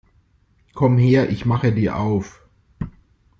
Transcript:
Komm her, ich mache dir auf!